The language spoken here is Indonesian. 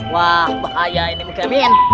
wah bahaya ini mekamin